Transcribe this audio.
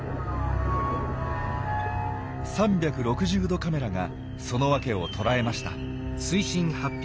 ３６０度カメラがそのワケを捉えました。